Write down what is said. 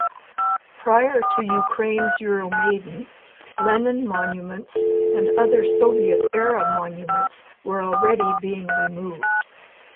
Prior to Ukraine's Euromaidan, Lenin monuments and other Soviet-era monuments were already being removed.